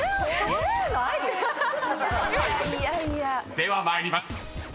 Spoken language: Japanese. ［では参ります］